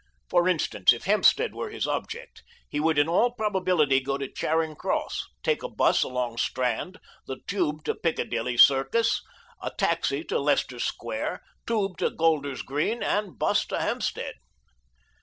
For instance, if Hampstead were his object, he would in all probability go to Charing Cross, take a 'bus along Strand, the tube to Piccadilly Circus, a taxi to Leicester Square, tube to Golders Green and 'bus to Hampstead.